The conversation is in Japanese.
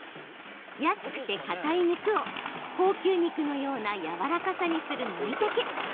安くてかたい肉を高級肉のようなやわらかさにするまいたけ。